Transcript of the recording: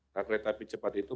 taklet api cepat itu